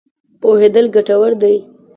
پوهېدل ګټور دی.